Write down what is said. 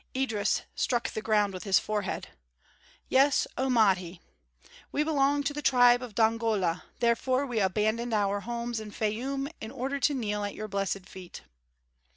Idris struck the ground with his forehead. "Yes, oh Mahdi! We belong to the tribe of Dongola; therefore we abandoned our homes in Fayûm in order to kneel at your blessed feet."